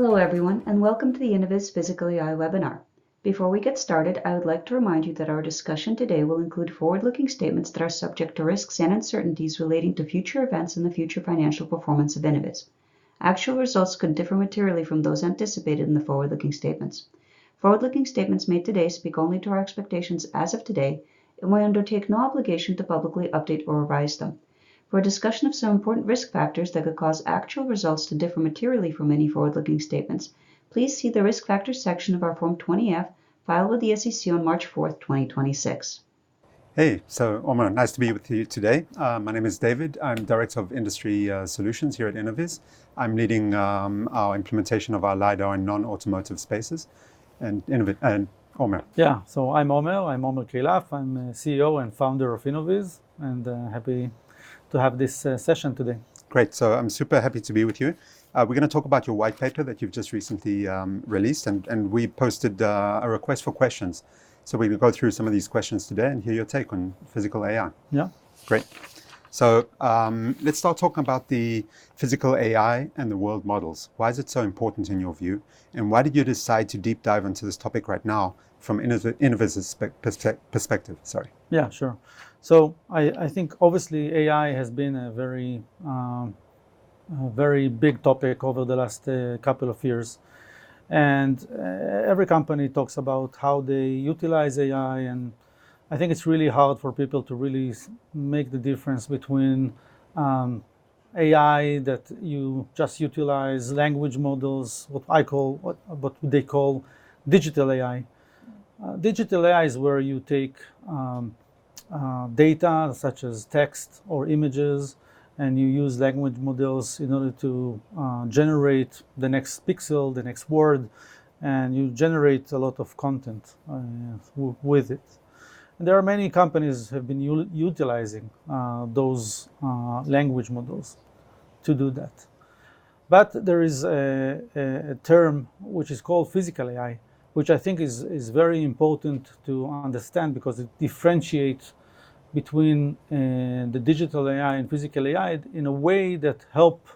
Hello everyone, and welcome to the Innoviz Physical AI Webinar. Before we get started, I would like to remind you that our discussion today will include forward-looking statements that are subject to risks and uncertainties relating to future events and the future financial performance of Innoviz. Actual results could differ materially from those anticipated in the forward-looking statements. Forward-looking statements made today speak only to our expectations as of today, and we undertake no obligation to publicly update or revise them. For a discussion of some important risk factors that could cause actual results to differ materially from any forward-looking statements, please see the Risk Factors section of our Form 20-F filed with the SEC on March 4th, 2026. Hey. Omer, nice to be with you today. My name is David. I'm Director of Industry Solutions here at Innoviz. I'm leading our implementation of our LiDAR and non-automotive spaces. Yeah, I'm Omer Keilaf, CEO and Founder of Innoviz, and happy to have this session today. Great. I'm super happy to be with you. We're gonna talk about your white paper that you've just recently released and we posted a request for questions, so we will go through some of these questions today and hear your take on Physical AI. Yeah. Great. Let's start talking about the Physical AI and the World Models. Why is it so important in your view, and why did you decide to deep dive into this topic right now from Innoviz's perspective? Sorry. Yeah, sure. I think obviously AI has been a very a very big topic over the last couple of years, and every company talks about how they utilize AI, and I think it's really hard for people to really make the difference between AI that you just utilize language models, what they call Digital AI. Digital AI is where you take data such as text or images, and you use language models in order to generate the next pixel, the next word, and you generate a lot of content with it. There are many companies have been utilizing those language models to do that. There is a term which is called Physical AI, which I think is very important to understand because it differentiates between the Digital AI and Physical AI in a way that help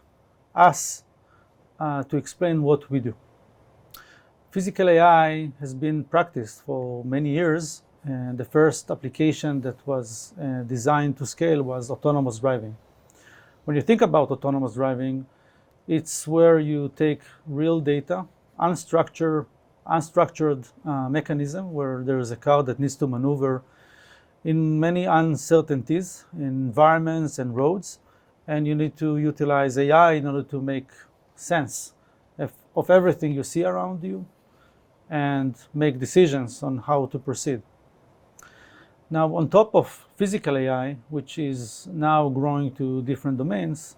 us to explain what we do. Physical AI has been practiced for many years, and the first application that was designed to scale was autonomous driving. When you think about autonomous driving, it's where you take real data, unstructured mechanism, where there is a car that needs to maneuver in many uncertainties, in environments and roads, and you need to utilize AI in order to make sense of everything you see around you and make decisions on how to proceed. Now, on top of Physical AI, which is now growing to different domains,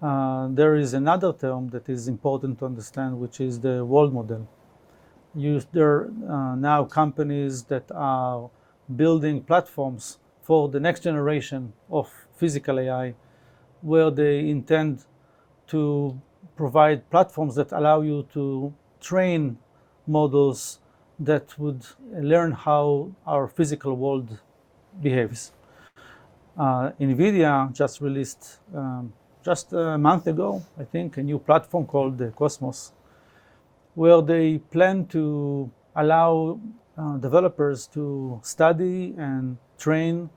there is another term that is important to understand, which is the World Models. There are now companies that are building platforms for the next generation of Physical AI, where they intend to provide platforms that allow you to train models that would learn how our physical world behaves. NVIDIA just released, just a month ago I think, a new platform called the Cosmos, where they plan to allow developers to study and train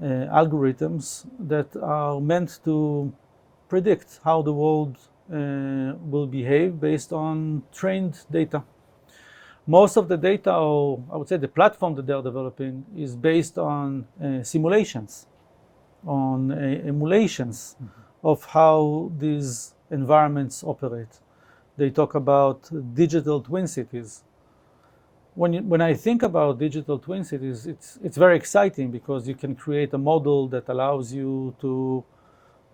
algorithms that are meant to predict how the world will behave based on trained data. Most of the data, or I would say the platform that they are developing, is based on simulations, on emulations of how these environments operate. They talk about digital twin cities. When I think about digital twin cities, it's very exciting because you can create a model that allows you to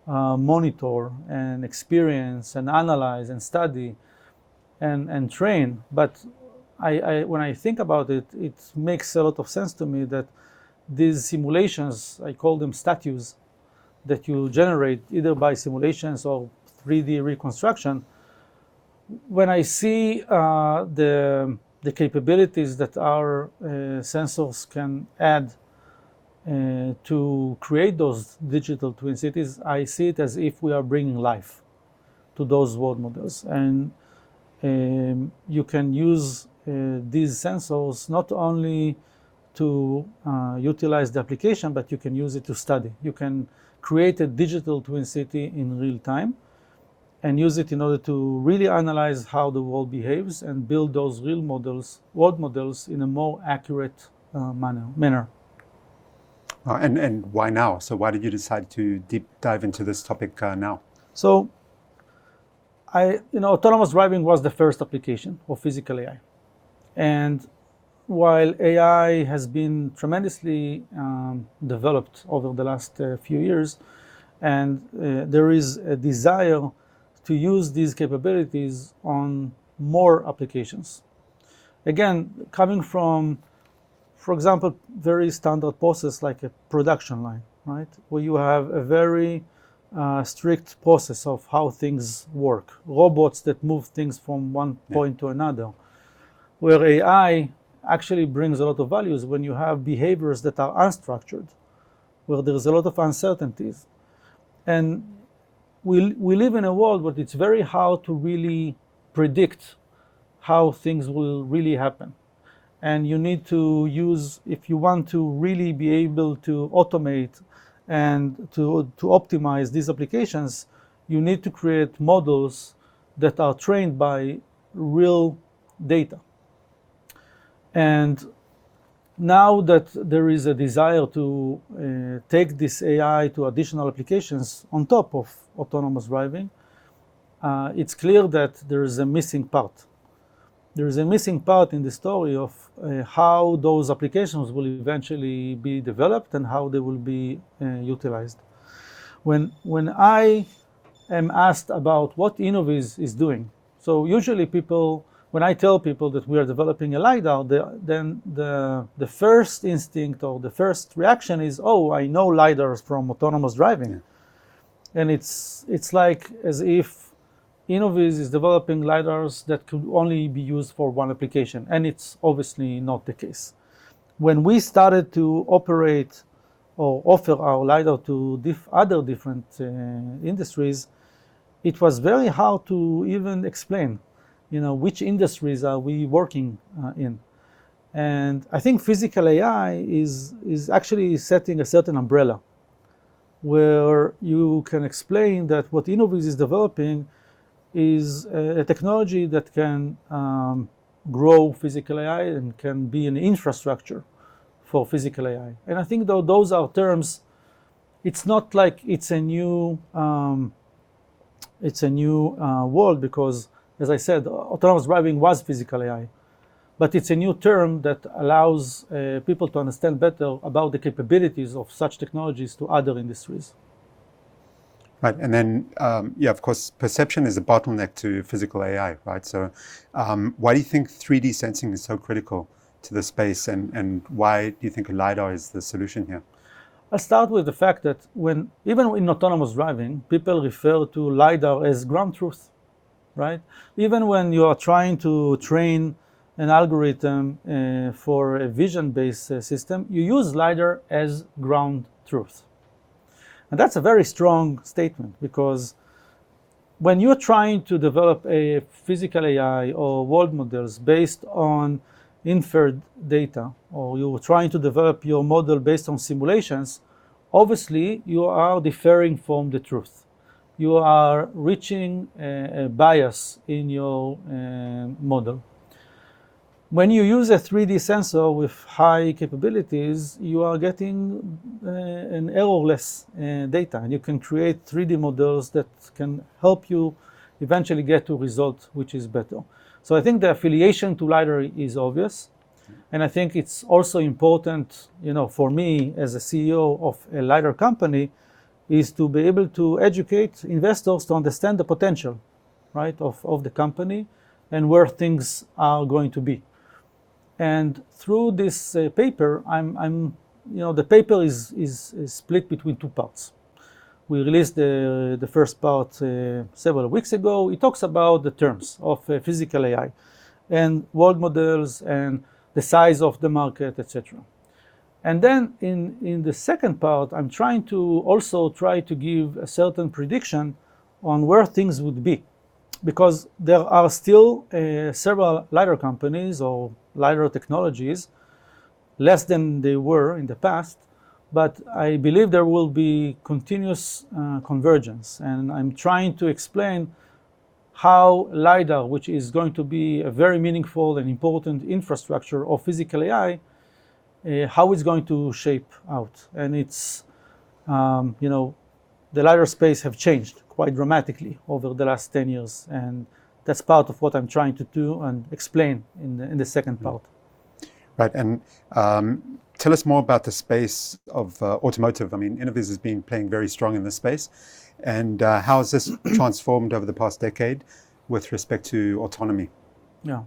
monitor and experience and analyze and study and train. When I think about it makes a lot of sense to me that these simulations, I call them statics, that you generate either by simulations or 3D reconstruction. When I see the capabilities that our sensors can add to create those digital twin cities, I see it as if we are bringing life to those World Models. You can use these sensors not only to utilize the application, but you can use it to study. You can create a digital twin city in real time, and use it in order to really analyze how the world behaves and build those real models, World Models in a more accurate manner. Why now? Why did you decide to deep dive into this topic, now? You know, autonomous driving was the first application of Physical AI. While AI has been tremendously developed over the last few years, there is a desire to use these capabilities on more applications. Again, coming from, for example, very standard process like a production line, right? Where you have a very strict process of how things work, robots that move things from one point to another. Where AI actually brings a lot of values when you have behaviors that are unstructured, where there is a lot of uncertainties. We live in a world where it's very hard to really predict how things will really happen, and you need to use. If you want to really be able to automate and to optimize these applications, you need to create models that are trained by real data. Now that there is a desire to take this AI to additional applications on top of autonomous driving, it's clear that there is a missing part. There is a missing part in the story of how those applications will eventually be developed and how they will be utilized. When I am asked about what Innoviz is doing, usually when I tell people that we are developing a LiDAR, then the first instinct or the first reaction is, "Oh, I know LiDARs from autonomous driving." It's like as if Innoviz is developing LiDARs that could only be used for one application, and it's obviously not the case. When we started to operate or offer our LiDAR to other different industries, it was very hard to even explain, you know, which industries we are working in. I think Physical AI is actually setting a certain umbrella where you can explain that what Innoviz is developing is a technology that can grow Physical AI and can be an infrastructure for Physical AI. I think though those are terms, it's not like it's a new world because, as I said, autonomous driving was Physical AI. It's a new term that allows people to understand better about the capabilities of such technologies to other industries. Right. Yeah, of course, perception is a bottleneck to Physical AI, right? Why do you think 3D sensing is so critical to the space, and why do you think LiDAR is the solution here? I'll start with the fact that when even in autonomous driving, people refer to LiDAR as ground truth, right? Even when you are trying to train an algorithm for a vision-based system, you use LiDAR as ground truth. That's a very strong statement because when you're trying to develop a Physical AI or World Models based on inferred data, or you're trying to develop your model based on simulations, obviously you are differing from the truth. You are reaching a bias in your model. When you use a 3D sensor with high capabilities, you are getting an errorless data, and you can create 3D models that can help you eventually get to result which is better. I think the affiliation to LiDAR is obvious, and I think it's also important, you know, for me as a CEO of a LiDAR company, is to be able to educate investors to understand the potential of the company and where things are going to be. Through this paper, you know, the paper is split between two parts. We released the first part several weeks ago. It talks about the terms of Physical AI and World Models and the size of the market, et cetera. In the second part, I'm trying to give a certain prediction on where things would be because there are still several LiDAR companies or LiDAR technologies, less than they were in the past, but I believe there will be continuous convergence. I'm trying to explain how LiDAR, which is going to be a very meaningful and important infrastructure of Physical AI, how it's going to shape out. It's, you know, the LiDAR space have changed quite dramatically over the last 10 years, and that's part of what I'm trying to do and explain in the second part. Right. Tell us more about the space of automotive. I mean, Innoviz has been playing very strong in this space. How has this transformed over the past decade with respect to autonomy? Yeah.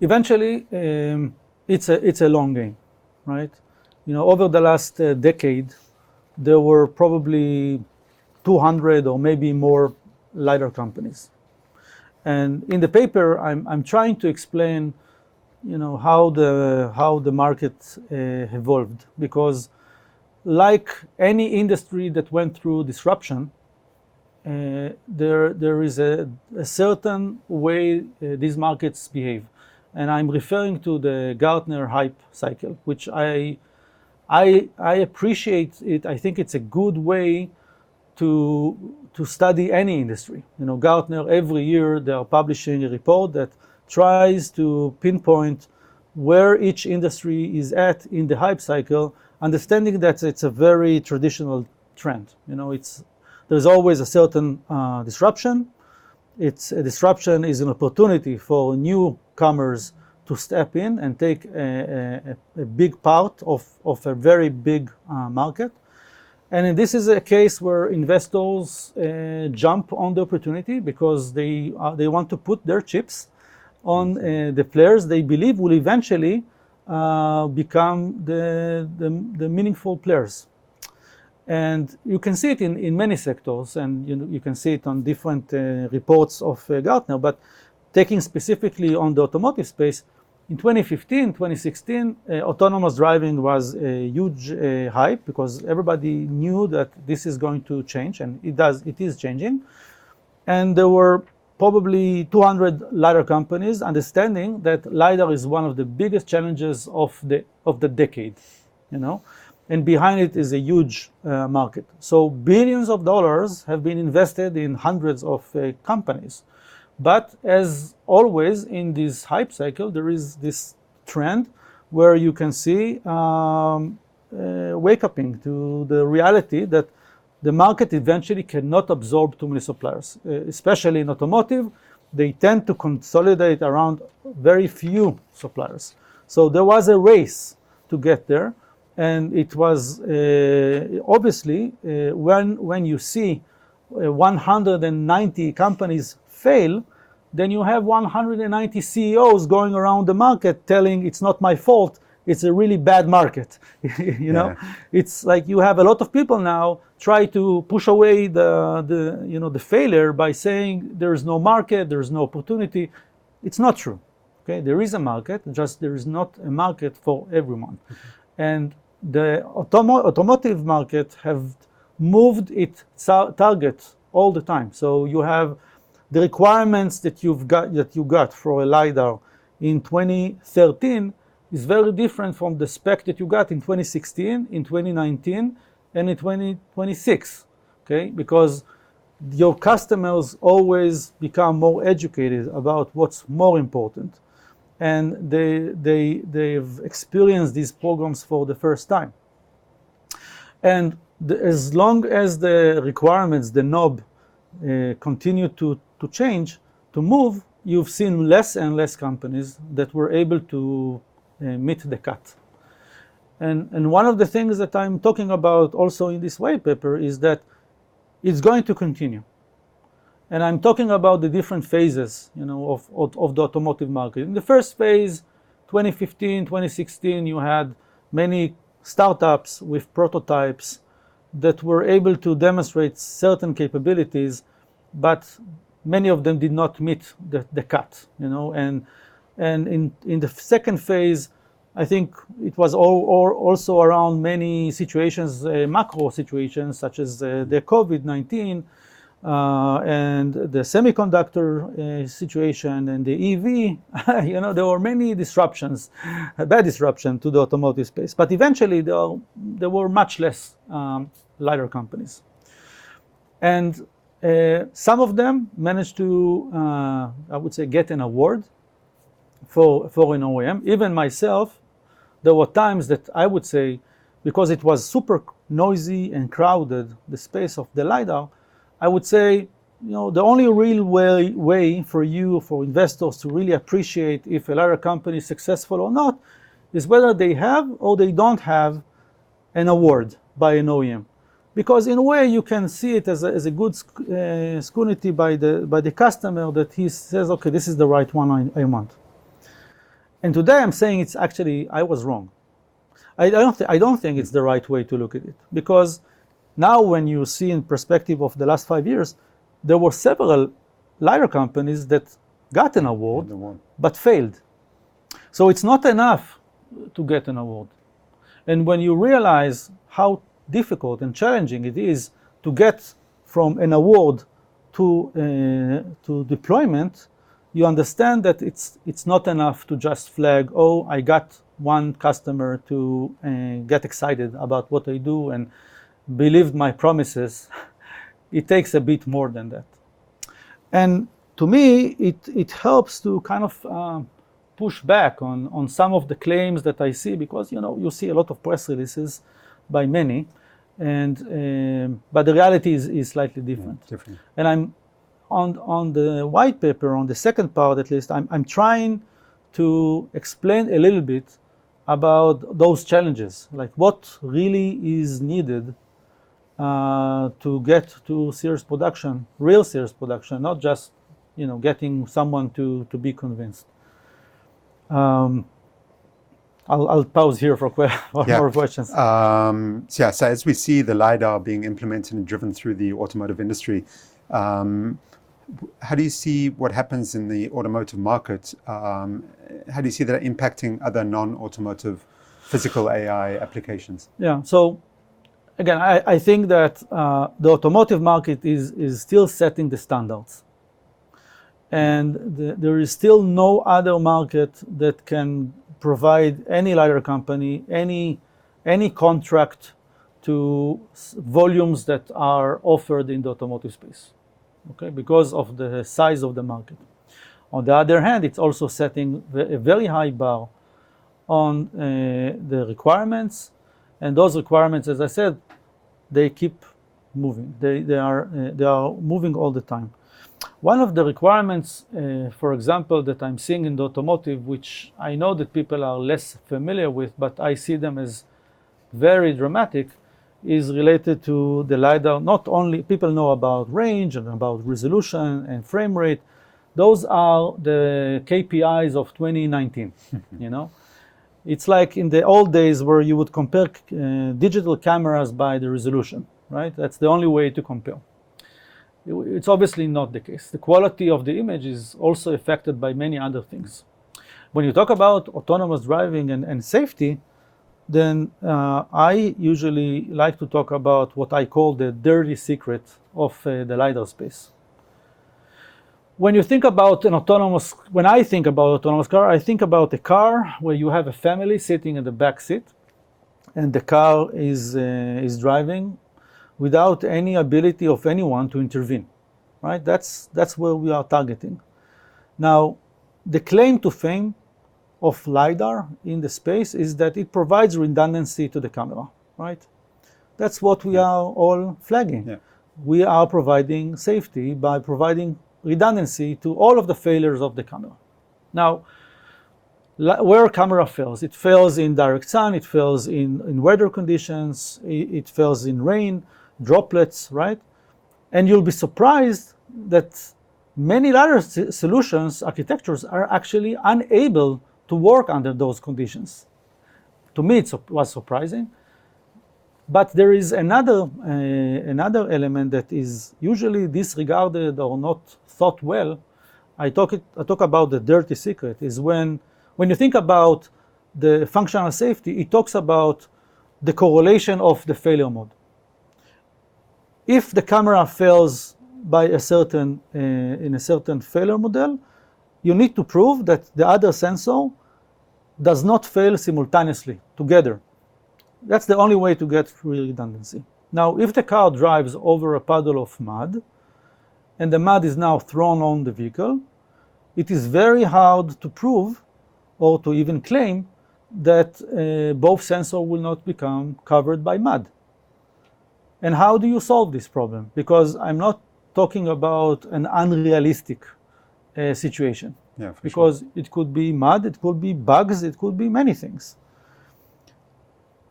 Eventually, it's a long game, right? You know, over the last decade, there were probably 200 or maybe more LiDAR companies. In the paper, I'm trying to explain, you know, how the market evolved because like any industry that went through disruption, there is a certain way these markets behave. I'm referring to the Gartner Hype Cycle, which I appreciate. I think it's a good way to study any industry. You know, Gartner, every year, they are publishing a report that tries to pinpoint where each industry is at in the Hype Cycle, understanding that it's a very traditional trend. You know, it's a very traditional trend. There's always a certain disruption. A disruption is an opportunity for newcomers to step in and take a big part of a very big market. This is a case where investors jump on the opportunity because they want to put their chips on the players they believe will eventually become the meaningful players. You can see it in many sectors, and you can see it on different reports of Gartner. Taking specifically on the automotive space, in 2015, 2016, autonomous driving was a huge hype because everybody knew that this is going to change, and it does, it is changing. There were probably 200 LiDAR companies understanding that LiDAR is one of the biggest challenges of the decade, you know? Behind it is a huge market. Billions of dollars have been invested in hundreds of companies. As always in this Hype Cycle, there is this trend where you can see waking up to the reality that the market eventually cannot absorb too many suppliers. Especially in automotive, they tend to consolidate around very few suppliers. There was a race to get there, and it was obviously when you see 190 companies fail, then you have 190 CEOs going around the market telling, "It's not my fault, it's a really bad market," you know? Yeah. It's like you have a lot of people now try to push away the failure by saying, "There's no market, there's no opportunity." It's not true. Okay? There is a market, just there is not a market for everyone. The automotive market have moved its target all the time. You have the requirements that you got for a LiDAR in 2013 is very different from the spec that you got in 2016, in 2019, and in 2026. Okay? Because your customers always become more educated about what's more important, and they've experienced these programs for the first time. As long as the requirements, the knob, continue to change, to move, you've seen less and less companies that were able to make the cut. One of the things that I'm talking about also in this white paper is that it's going to continue. I'm talking about the different phases, you know, of the automotive market. In the first phase, 2015, 2016, you had many startups with prototypes that were able to demonstrate certain capabilities, but many of them did not meet the cut, you know? In the second phase, I think it was also around many situations, macro situations such as the COVID-19 and the semiconductor situation, and the EV. You know, there were many disruptions, bad disruption to the automotive space. But eventually though, there were much less LiDAR companies. Some of them managed to, I would say, get an award for an OEM. Even myself, there were times that I would say because it was super noisy and crowded, the space of the LiDAR, I would say, you know, the only real way for you, for investors to really appreciate if a LiDAR company's successful or not is whether they have or they don't have an award by an OEM. Because in a way you can see it as a good scrutiny by the customer that he says, "Okay, this is the right one I want." Today I'm saying it's actually, I was wrong. I don't think it's the right way to look at it because now when you see in perspective of the last five years, there were several LiDAR companies that got an award. But failed. It's not enough to get an award. When you realize how difficult and challenging it is to get from an award to deployment, you understand that it's not enough to just flag, "Oh, I got one customer to get excited about what I do, and believed my promises." It takes a bit more than that. To me, it helps to kind of push back on some of the claims that I see because, you know, you see a lot of press releases by many, but the reality is slightly different. I'm on the white paper, on the second part at least. I'm trying to explain a little bit about those challenges. Like, what really is needed to get to serious production, real serious production, not just, you know, getting someone to be convinced. I'll pause here for more questions. As we see the LiDAR being implemented and driven through the automotive industry, how do you see what happens in the automotive market, how do you see that impacting other non-automotive Physical AI applications? Yeah. Again, I think that the automotive market is still setting the standards. There is still no other market that can provide any LiDAR company any contract to volumes that are offered in the automotive space. Okay? Because of the size of the market. On the other hand, it's also setting a very high bar on the requirements, and those requirements, as I said, they keep moving. They are moving all the time. One of the requirements, for example, that I'm seeing in the automotive which I know that people are less familiar with, but I see them as very dramatic, is related to the LiDAR. Not only people know about range and about resolution and frame rate, those are the KPIs of 2019. You know? It's like in the old days where you would compare digital cameras by the resolution, right? That's the only way to compare. It's obviously not the case. The quality of the image is also affected by many other things. When you talk about autonomous driving and safety, then I usually like to talk about what I call the dirty secret of the LiDAR space. When I think about autonomous car, I think about the car where you have a family sitting in the back seat and the car is driving without any ability of anyone to intervene, right? That's where we are targeting. Now, the claim to fame of LiDAR in the space is that it provides redundancy to the camera, right? That's what we are all flagging. Yeah. We are providing safety by providing redundancy to all of the failures of the camera. Now, where a camera fails, it fails in direct sun, it fails in weather conditions, it fails in rain droplets, right? You'll be surprised that many LiDAR solutions architectures are actually unable to work under those conditions. To me, it was surprising. There is another element that is usually disregarded or not thought well. I talk about the dirty secret is when you think about the Functional Safety, it talks about the correlation of the failure mode. If the camera fails in a certain failure mode, you need to prove that the other sensor does not fail simultaneously together. That's the only way to get real redundancy. Now, if the car drives over a puddle of mud, and the mud is now thrown on the vehicle, it is very hard to prove or to even claim that both sensor will not become covered by mud. How do you solve this problem? Because I'm not talking about an unrealistic situation. Yeah, for sure. Because it could be mud, it could be bugs, it could be many things.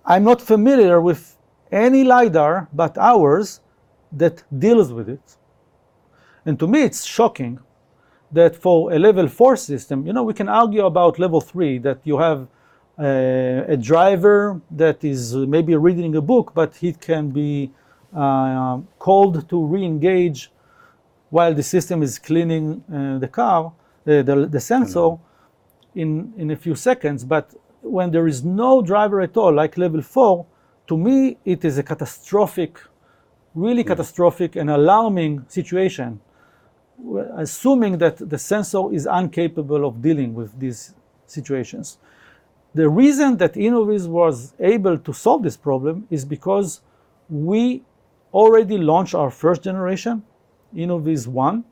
I'm not familiar with any LiDAR but ours that deals with it. To me, it's shocking that for a Level Four system, you know, we can argue about Level Three, that you have a driver that is maybe reading a book, but he can be called to reengage while the system is cleaning the car, the sensor- Mm-hmm In a few seconds. When there is no driver at all, like Level Four, to me it is a catastrophic, really catastrophic and alarming situation. We're assuming that the sensor is incapable of dealing with these situations. The reason that Innoviz was able to solve this problem is because we already launched our first generation, InnovizOne,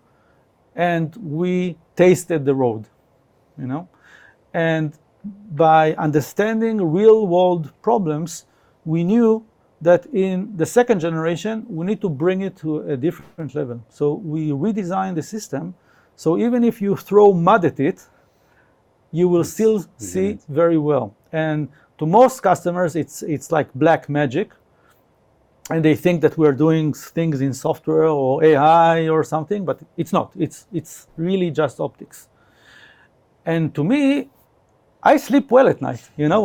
and we tasted the road, you know. By understanding real world problems, we knew that in the second generation, we need to bring it to a different level. We redesigned the system, so even if you throw mud at it, you will still see it very well. To most customers, it's like black magic, and they think that we're doing things in software or AI or something, but it's not. It's really just optics. To me, I sleep well at night. You know,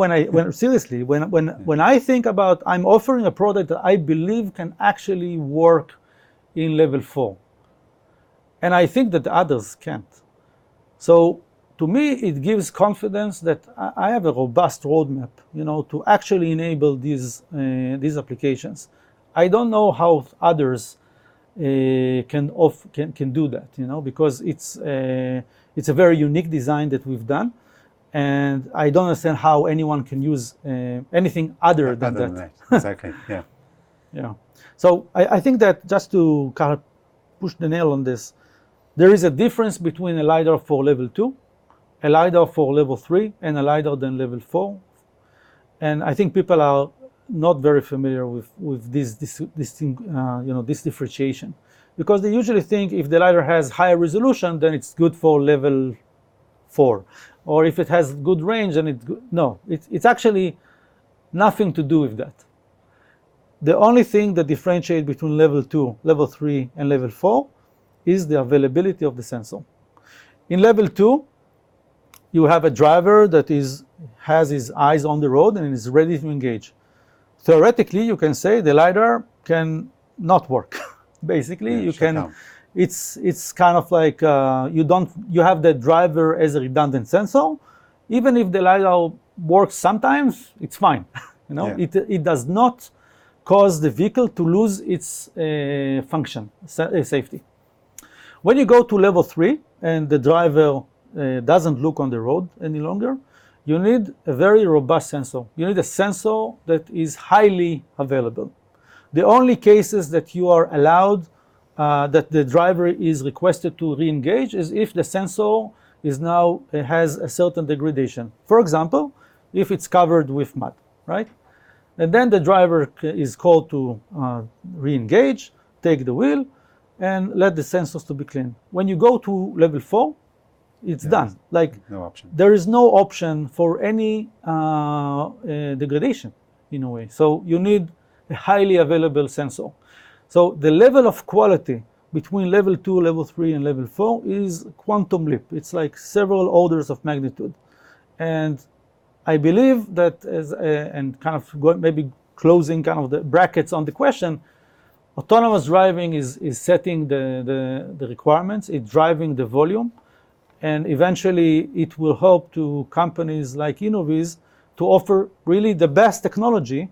seriously, when I think about I'm offering a product that I believe can actually work in Level Four, and I think that others can't. To me, it gives confidence that I have a robust roadmap, you know, to actually enable these applications. I don't know how others can do that, you know, because it's a very unique design that we've done, and I don't understand how anyone can use anything other than that. Other than that. Exactly. Yeah. You know. I think that just to kind of push the nail on this, there is a difference between a LiDAR for Level Two, a LiDAR for Level Three, and a LiDAR then Level Four. I think people are not very familiar with this thing, you know, this differentiation because they usually think if the LiDAR has higher resolution, then it's good for Level Four, or if it has good range, then it. It's actually nothing to do with that. The only thing that differentiate between Level Two, Level Three, and Level Four is the availability of the sensor. In Level Two, you have a driver that has his eyes on the road and is ready to engage. Theoretically, you can say the LiDAR can not work basically. Yeah, shut down. It's kind of like, you have the driver as a redundant sensor. Even if the LiDAR works sometimes, it's fine. You know? Yeah. It does not cause the vehicle to lose its Functional Safety. When you go to Level Three and the driver doesn't look on the road any longer, you need a very robust sensor. You need a sensor that is highly available. The only cases that you are allowed that the driver is requested to reengage is if the sensor is now it has a certain degradation. For example, if it's covered with mud, right? And then the driver is called to reengage, take the wheel, and let the sensors to be clean. When you go to Level Four, it's done. No option. There is no option for any degradation in a way. You need a highly available sensor. The level of quality between Level Two, Level Three, and Level Four is quantum leap. It's like several orders of magnitude. I believe that as and kind of maybe closing kind of the brackets on the question, autonomous driving is setting the requirements. It's driving the volume, and eventually it will help to companies like Innoviz to offer really the best technology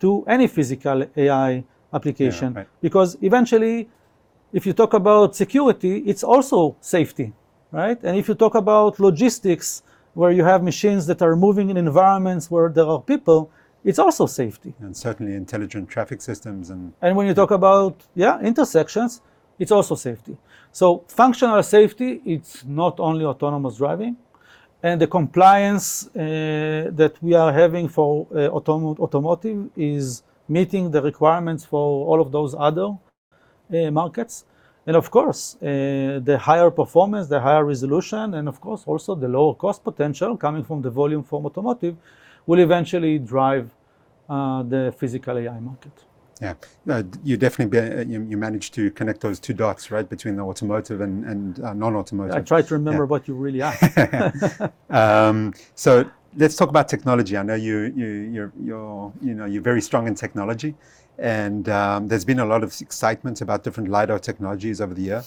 to any Physical AI application. Yeah. Right. Because eventually if you talk about security, it's also safety, right? If you talk about logistics where you have machines that are moving in environments where there are people, it's also safety. Certainly intelligent traffic systems. When you talk about, yeah, intersections, it's also safety. Functional Safety, it's not only autonomous driving, and the compliance that we are having for automotive is meeting the requirements for all of those other markets. Of course, the higher performance, the higher resolution, and of course also the lower cost potential coming from the volume from automotive will eventually drive the Physical AI market. Yeah. No, you definitely managed to connect those two dots, right? Between the automotive and non-automotive. I tried to remember what you really ask. Let's talk about technology. I know you're, you know, very strong in technology and there's been a lot of excitement about different LiDAR technologies over the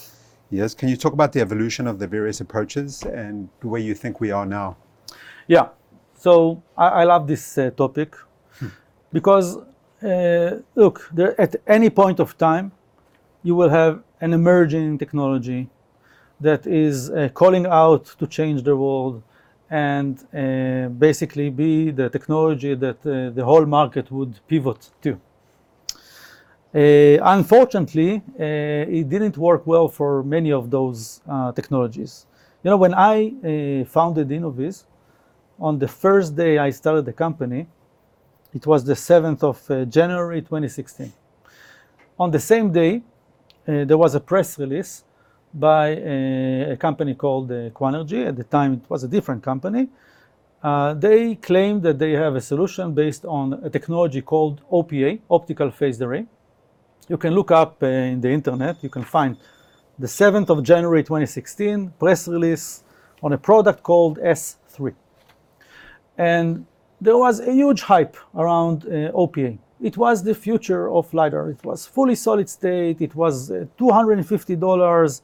years. Can you talk about the evolution of the various approaches and where you think we are now? I love this topic because at any point of time you will have an emerging technology that is calling out to change the world and basically be the technology that the whole market would pivot to. Unfortunately, it didn't work well for many of those technologies. You know, when I founded Innoviz, on the first day I started the company, it was the January 7th, 2016. On the same day, there was a press release by a company called Quanergy. At the time it was a different company. They claimed that they have a solution based on a technology called OPA, Optical Phased Array. You can look up in the Internet. You can find the January 17th, 2016 press release on a product called S3. There was a huge hype around OPA. It was the future of LiDAR. It was fully solid state. It was $250.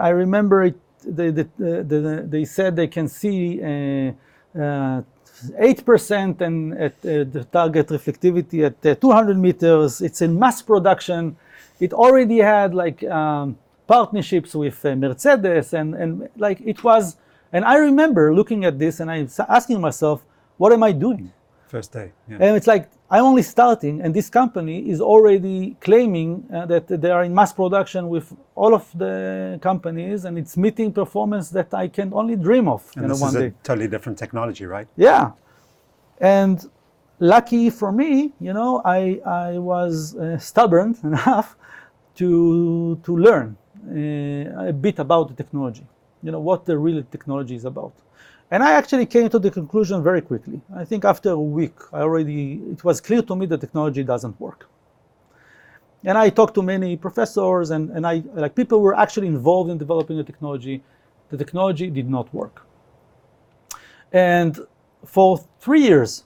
I remember it, they said they can see 8% and at the target reflectivity at 200 meters. It's in mass production. It already had like partnerships with Mercedes-Benz and like it was. I remember looking at this and asking myself, "What am I doing? First day. Yeah. It's like I'm only starting, and this company is already claiming that they are in mass production with all of the companies, and it's meeting performance that I can only dream of, you know, one day. This is a totally different technology, right? Yeah. Lucky for me, you know, I was stubborn enough to learn a bit about the technology, you know, what the really technology is about. I actually came to the conclusion very quickly. I think after a week, it was already clear to me the technology doesn't work. I talked to many professors and, like, people who were actually involved in developing the technology. The technology did not work. For three years,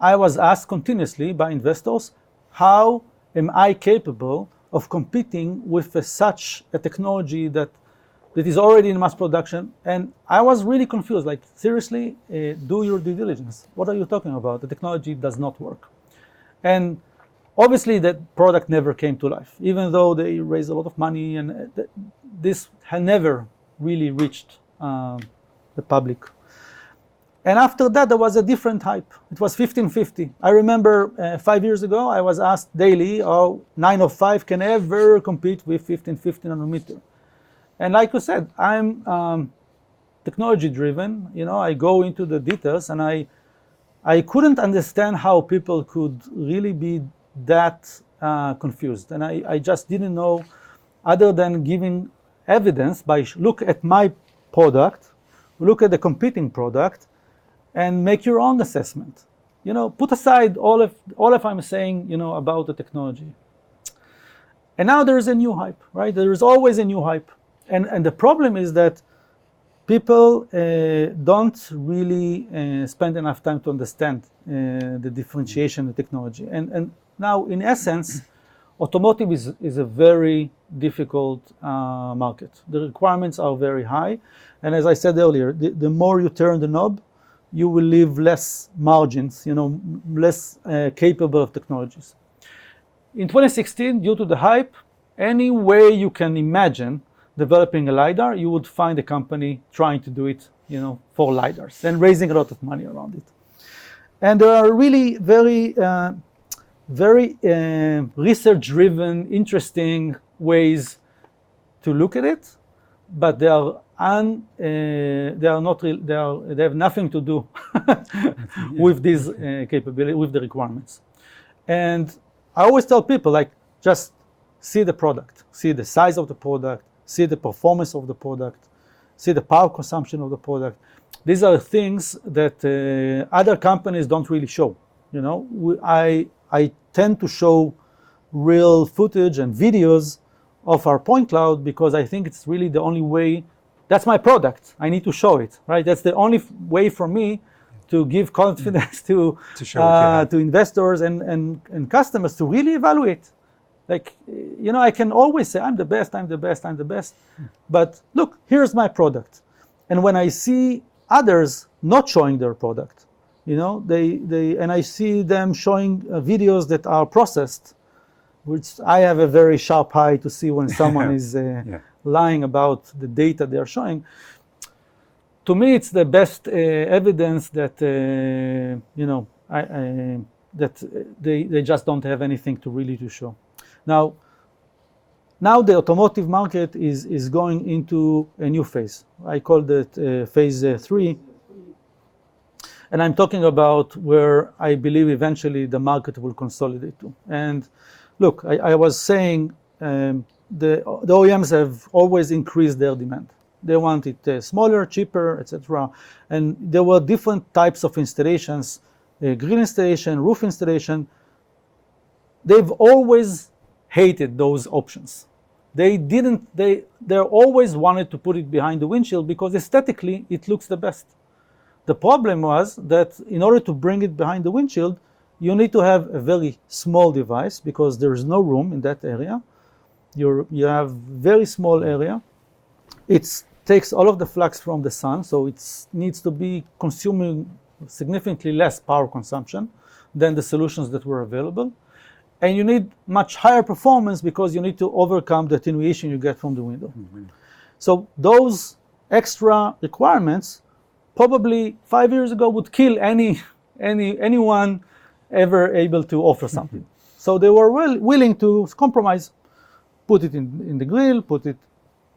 I was asked continuously by investors how am I capable of competing with such a technology that is already in mass production. I was really confused, like, "Seriously? Do your due diligence. What are you talking about? The technology does not work." Obviously that product never came to life, even though they raised a lot of money and this had never really reached the public. After that, there was a different hype. It was 1550. I remember five years ago, I was asked daily, "905 can ever compete with 1550 nanometer." Like you said, I'm technology-driven, you know, I go into the details and I couldn't understand how people could really be that confused. I just didn't know, other than giving evidence by, "Look at my product, look at the competing product, and make your own assessment. You know, put aside all of I'm saying, you know, about the technology." Now there's a new hype, right? There is always a new hype. The problem is that people don't really spend enough time to understand the differentiation of technology. Now in essence, automotive is a very difficult market. The requirements are very high, and as I said earlier, the more you turn the knob, you will leave less margins, you know, less capable of technologies. In 2016 due to the hype, any way you can imagine developing a LiDAR, you would find a company trying to do it, you know, for LiDARs and raising a lot of money around it. There are really very research-driven, interesting ways to look at it, but they have nothing to do with these capability, with the requirements. I always tell people, like, "Just see the product, see the size of the product, see the performance of the product, see the power consumption of the product." These are things that other companies don't really show. You know? I tend to show real footage and videos of our point cloud because I think it's really the only way. That's my product, I need to show it, right? That's the only way for me to give confidence to- To show what you have. To investors and customers to really evaluate. Like, you know, I can always say, "I'm the best," but look, here's my product. When I see others not showing their product, you know, I see them showing videos that are processed, which I have a very sharp eye to see when someone is You have. Yeah. Lying about the data they are showing. To me, it's the best evidence that, you know, that they just don't have anything to really show. Now, the automotive market is going into a new phase. I call it phase III, and I'm talking about where I believe eventually the market will consolidate to. Look, I was saying, the OEMs have always increased their demand. They want it smaller, cheaper, et cetera, and there were different types of installations, the grille installation, roof installation. They've always hated those options. They always wanted to put it behind the windshield because aesthetically it looks the best. The problem was that in order to bring it behind the windshield, you need to have a very small device because there is no room in that area. You have very small area. It takes all of the flux from the sun, so it needs to be consuming significantly less power consumption than the solutions that were available and you need much higher performance because you need to overcome the attenuation you get from the window. Mm-hmm. Those extra requirements probably five years ago would kill anyone ever able to offer something. They were willing to compromise, put it in the grille,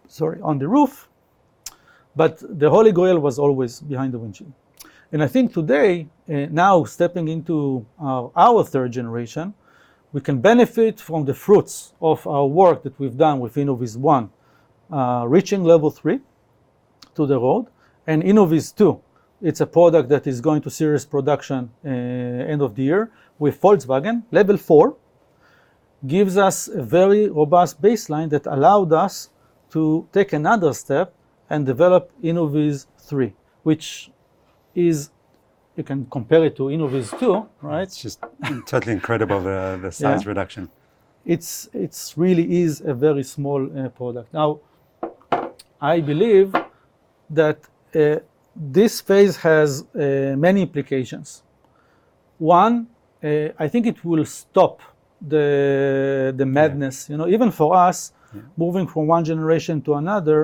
sorry, on the roof, but the holy grail was always behind the windshield. I think today, now stepping into our third generation, we can benefit from the fruits of our work that we've done with InnovizOne, reaching Level Two to the road, and InnovizTwo. It's a product that is going to series production end of the year with Volkswagen. Level Four gives us a very robust baseline that allowed us to take another step and develop InnovizThree, which is, you can compare it to InnovizTwo, right? It's just totally incredible. Yeah. Size reduction. It really is a very small product. Now, I believe that this phase has many implications. One, I think it will stop the madness. You know, even for us Yeah. Moving from one generation to another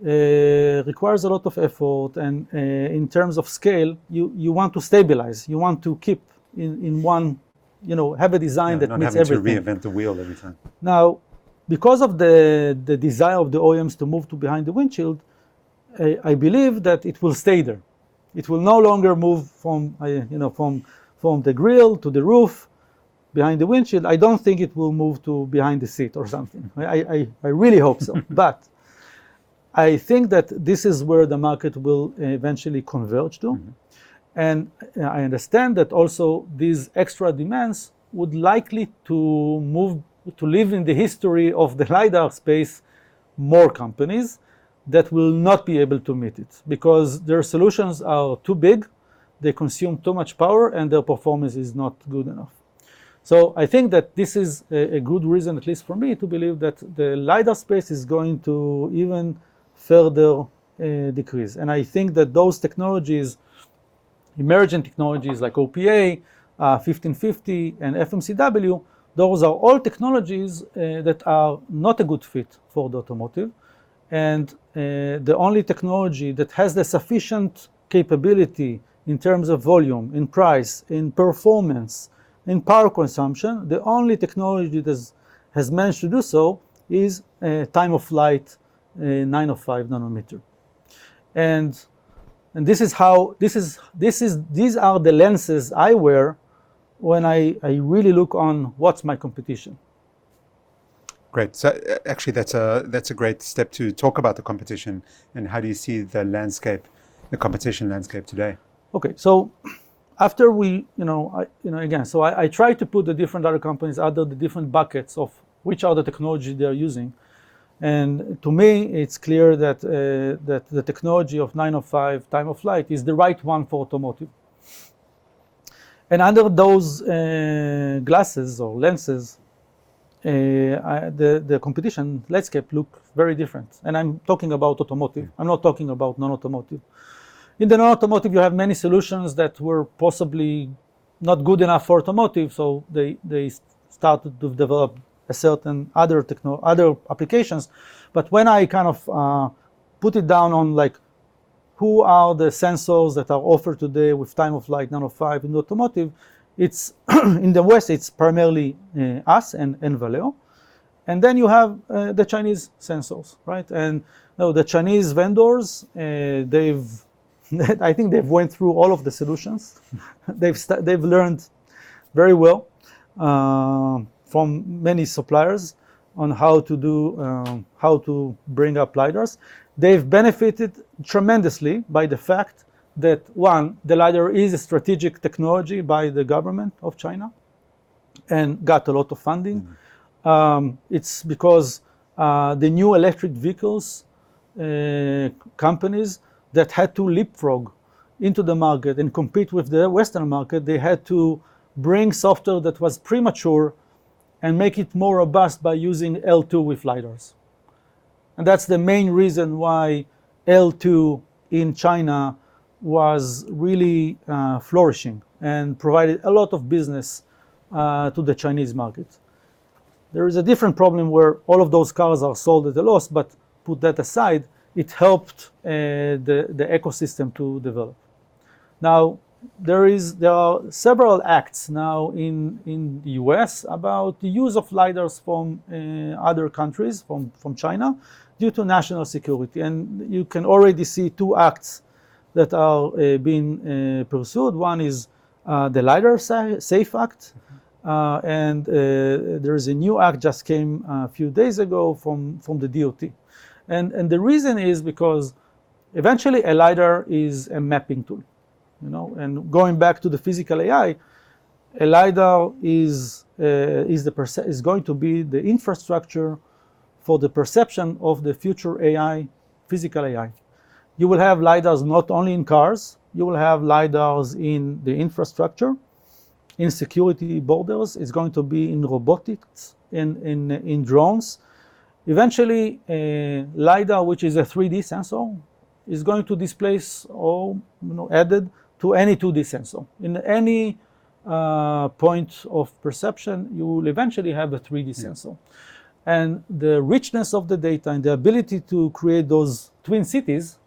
requires a lot of effort and in terms of scale, you want to stabilize, you want to keep in one, you know, have a design that meets everything. Yeah, not having to reinvent the wheel every time. Now, because of the desire of the OEMs to move to behind the windshield, I believe that it will stay there. It will no longer move, you know, from the grille to the roof. Behind the windshield, I don't think it will move to behind the seat or something. I really hope so. But I think that this is where the market will eventually converge to. Mm-hmm. I understand that also these extra demands would likely leave in the history of the LiDAR space more companies that will not be able to meet it because their solutions are too big, they consume too much power, and their performance is not good enough. I think that this is a good reason, at least for me, to believe that the LiDAR space is going to even further decrease. I think that those technologies, emerging technologies like OPA, 1550, and FMCW, those are all technologies that are not a good fit for the automotive. The only technology that has the sufficient capability in terms of volume, in price, in performance, in power consumption, the only technology that has managed to do so is time of flight 905 nanometer. This is how these are the lenses I wear when I really look on what's my competition. Great. Actually, that's a great step to talk about the competition and how do you see the landscape, the competition landscape today? Okay. After we, I tried to put the different other companies under the different buckets of which are the technology they are using. To me, it's clear that the technology of 905 Time-of-Flight is the right one for automotive. Under those glasses or lenses, the competition landscape look very different, and I'm talking about automotive. Mm-hmm. I'm not talking about non-automotive. In the non-automotive you have many solutions that were possibly not good enough for automotive, so they started to develop a certain other applications. When I kind of put it down on like who are the sensors that are offered today with Time-of-Flight 905 in automotive, it's in the West it's primarily us and Valeo, and then you have the Chinese sensors, right? Now the Chinese vendors they've I think they've went through all of the solutions. They've learned very well from many suppliers on how to do how to bring up LiDARs. They've benefited tremendously by the fact that, one, the LiDAR is a strategic technology by the government of China and got a lot of funding. It's because the new electric vehicle companies that had to leapfrog into the market and compete with the Western market, they had to bring software that was premature and make it more robust by using L2 with LiDARs. That's the main reason why L2 in China was really flourishing and provided a lot of business to the Chinese market. There is a different problem where all of those cars are sold at a loss, but put that aside, it helped the ecosystem to develop. Now there are several acts now in the U.S. about the use of LiDARs from other countries, from China, due to national security. You can already see two acts that are being pursued. One is the SAFE LiDAR Act. There is a new act that just came a few days ago from the DOT. The reason is because eventually a LiDAR is a mapping tool, you know. Going back to the Physical AI, a LiDAR is going to be the infrastructure for the perception of the future AI, Physical AI. You will have LiDARs not only in cars, you will have LiDARs in the infrastructure, in security borders. It is going to be in robotics, in drones. Eventually, LiDAR, which is a 3D sensor, is going to displace all, you know, added to any 2D sensor. In any point of perception, you will eventually have a 3D sensor. Yeah. The richness of the data and the ability to create those twin cities,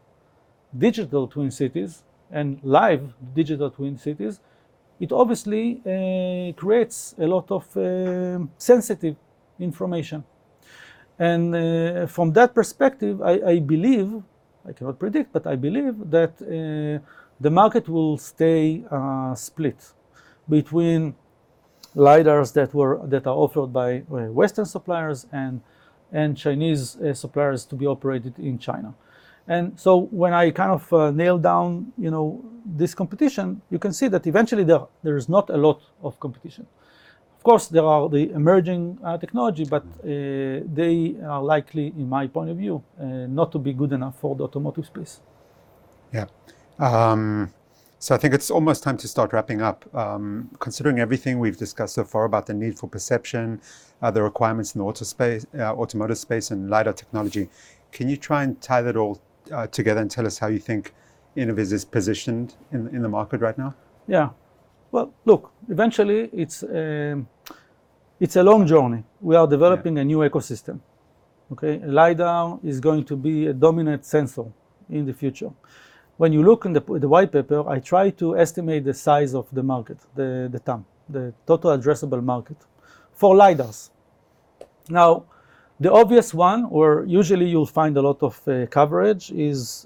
digital twin cities and live digital twin cities, it obviously creates a lot of sensitive information. From that perspective, I believe, I cannot predict, but I believe that the market will stay split between LiDAR that are offered by Western suppliers and Chinese suppliers to be operated in China. When I kind of nail down, you know, this competition, you can see that eventually there is not a lot of competition. Of course, there are the emerging technology. They are likely, in my point of view, not to be good enough for the automotive space. Yeah. I think it's almost time to start wrapping up. Considering everything we've discussed so far about the need for perception, the requirements in the automotive space and LiDAR technology, can you try and tie that all together and tell us how you think Innoviz is positioned in the market right now? Yeah. Well, look, eventually it's a long journey. Yeah. We are developing a new ecosystem. Okay. LiDAR is going to be a dominant sensor in the future. When you look in the white paper, I try to estimate the size of the market, the TAM, the total addressable market for LiDARs. Now, the obvious one, or usually you'll find a lot of coverage is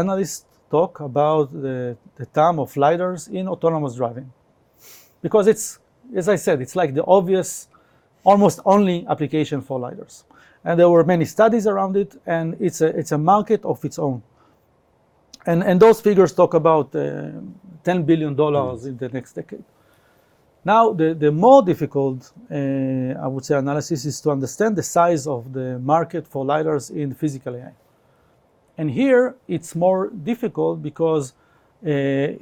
analysts talk about the TAM of LiDARs in autonomous driving. Because it's, as I said, it's like the obvious almost only application for LiDARs. Those figures talk about $10 billion in the next decade. Now, the more difficult, I would say, analysis is to understand the size of the market for LiDARs in Physical AI. Here it's more difficult because,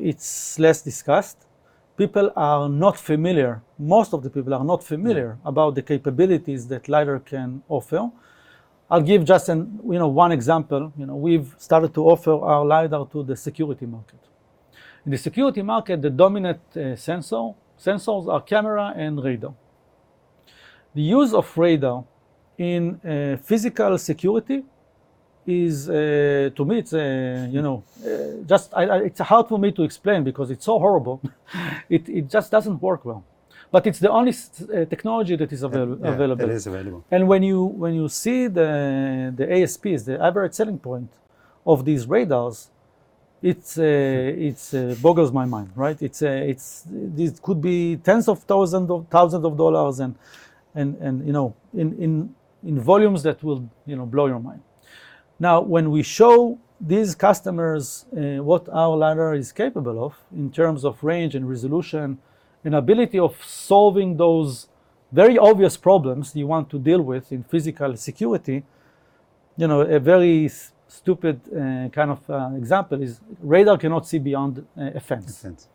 it's less discussed. People are not familiar. Most of the people are not familiar about the capabilities that LiDAR can offer. I'll give just you know one example. You know, we've started to offer our LiDAR to the security market. In the security market, the dominant sensors are camera and radar. The use of radar in physical security is, to me, it's you know it's hard for me to explain because it's so horrible. It just doesn't work well. But it's the only technology that is available. Yeah. That is available. When you see the ASPs, the average selling price of these radars, it boggles my mind, right? It's this could be tens of thousands of thousands of dollars and you know in volumes that will you know blow your mind. Now, when we show these customers what our LiDAR is capable of in terms of range and resolution and ability of solving those very obvious problems you want to deal with in physical security, you know, a very stupid kind of example is radar cannot see beyond a fence. A fence.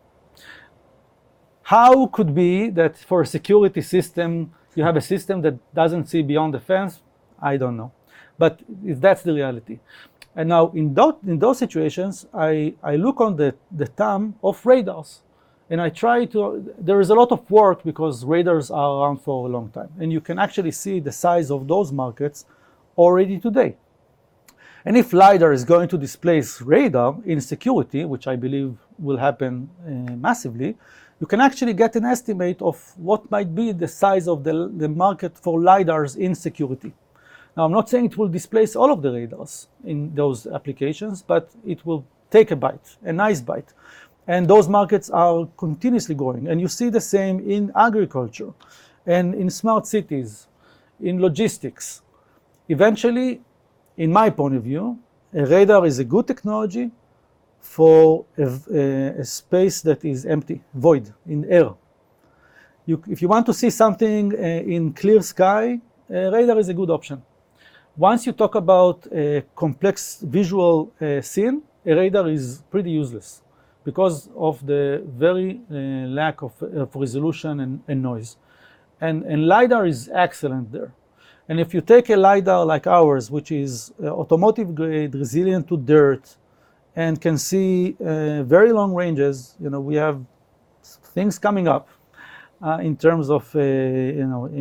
How could it be that for a security system you have a system that doesn't see beyond the fence? I don't know. That's the reality. Now in those situations, I look on the TAM of radars, and there is a lot of work because radars are around for a long time, and you can actually see the size of those markets already today. If LiDAR is going to displace radar in security, which I believe will happen massively, you can actually get an estimate of what might be the size of the market for LiDARs in security. Now, I'm not saying it will displace all of the radars in those applications, but it will take a bite, a nice bite. Those markets are continuously growing. You see the same in agriculture, and in smart cities, in logistics. Eventually, in my point of view, a radar is a good technology for a space that is empty, void, in air. If you want to see something in clear sky, a radar is a good option. Once you talk about a complex visual scene, a radar is pretty useless because of the very lack of resolution and noise. LiDAR is excellent there. If you take a LiDAR like ours which is automotive grade, resilient to dirt, and can see very long ranges, you know, we have things coming up in terms of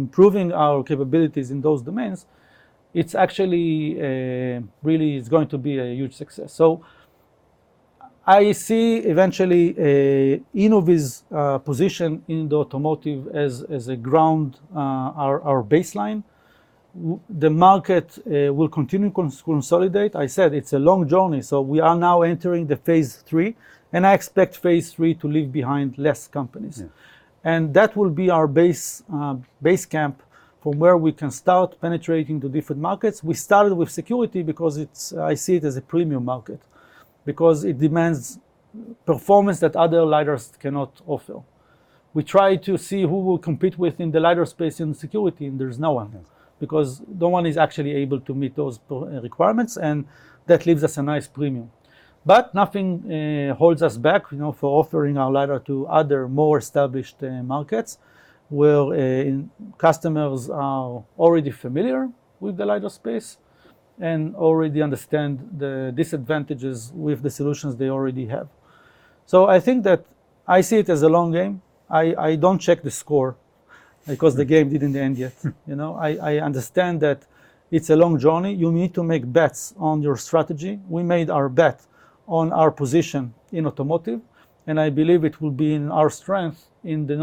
improving our capabilities in those domains, it's actually really is going to be a huge success. I see eventually Innoviz's position in the automotive as a ground our baseline. The market will continue consolidate. I said it's a long journey, so we are now entering the phase III, and I expect phase III to leave behind less companies. Yeah. That will be our base camp from where we can start penetrating to different markets. We started with security because it's I see it as a premium market because it demands performance that other LiDARs cannot offer. We try to see who we'll compete with in the LiDAR space in security, and there's no one. Yeah. Because no one is actually able to meet those requirements, and that leaves us a nice premium. Nothing holds us back, you know, for offering our LiDAR to other more established markets where customers are already familiar with the LiDAR space and already understand the disadvantages with the solutions they already have. I think that I see it as a long game. I don't check the score because the game didn't end yet. You know? I understand that it's a long journey. You need to make bets on your strategy. We made our bet on our position in automotive, and I believe it will be in our strength in the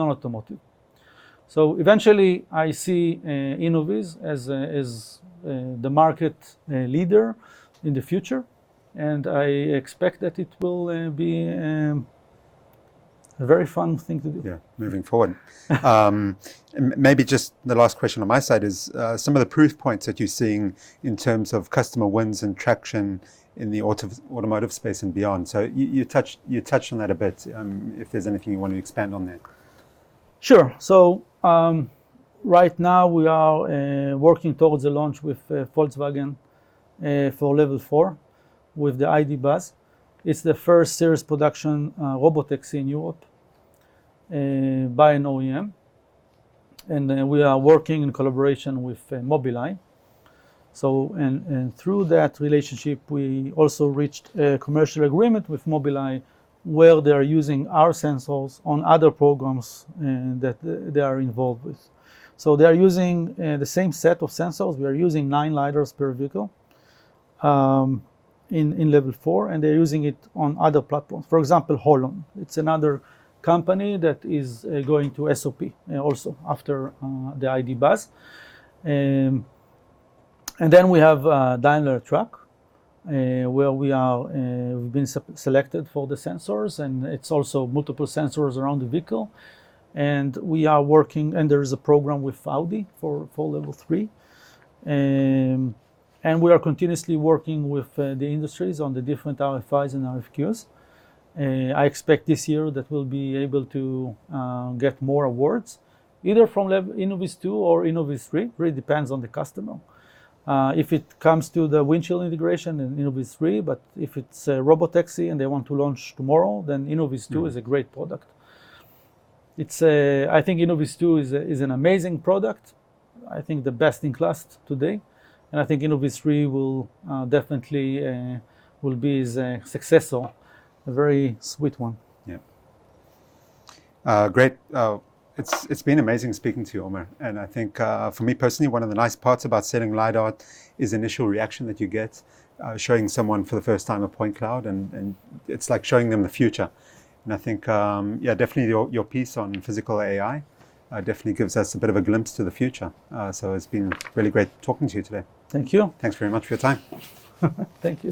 non-automotive. Eventually, I see Innoviz as the market leader in the future, and I expect that it will be a very fun thing to do. Yeah. Moving forward. Maybe just the last question on my side is some of the proof points that you're seeing in terms of customer wins and traction in the automotive space and beyond. You touched on that a bit, if there's anything you want to expand on there. Sure. Right now we are working towards the launch with Volkswagen for Level Four with the ID. Buzz. It's the first serious production robotaxi in Europe by an OEM. Then we are working in collaboration with Mobileye. Through that relationship, we also reached a commercial agreement with Mobileye where they are using our sensors on other programs that they are involved with. They are using the same set of sensors. We are using nine LiDAR per vehicle in Level Four, and they're using it on other platforms. For example, HOLON. It's another company that is going to SOP also after the ID. Buzz. Then we have Daimler Truck where we have been selected for the sensors, and it's also multiple sensors around the vehicle. We are working, and there is a program with Audi for Level Three. We are continuously working with the industries on the different RFIs and RFQs. I expect this year that we'll be able to get more awards, either from InnovizTwo or InnovizThree. Really depends on the customer. If it comes to the windshield integration, then InnovizThree. But if it's a robotaxi and they want to launch tomorrow, then InnovizTwo. Yeah. Is a great product. It's, I think InnovizTwo is an amazing product. I think the best in class today, and I think InnovizThree will definitely be the successor, a very sweet one. Great. It's been amazing speaking to you, Omer. I think, for me personally, one of the nice parts about selling LiDAR is the initial reaction that you get, showing someone for the first time a point cloud, and it's like showing them the future. I think, yeah, definitely your piece on Physical AI definitely gives us a bit of a glimpse to the future. So it's been really great talking to you today. Thank you. Thanks very much for your time. Thank you.